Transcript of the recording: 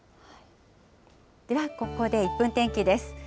ではここで１分天気です。